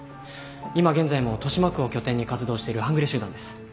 今現在も豊島区を拠点に活動してる半グレ集団です。